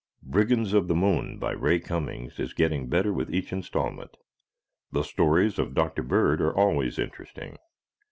"Brigands of the Moon," by Ray Cummings, is getting better with each instalment. The stories of Dr. Bird are always interesting.